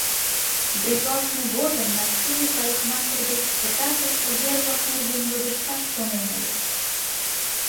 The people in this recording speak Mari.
Бритлалтме годым Нацуме парикмахер деч «пытартыш увер-влак» нерген йодышташ шонен ыле.